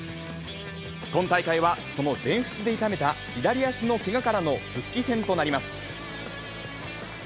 今大会はその全仏で痛めた左足のけがからの復帰戦となります。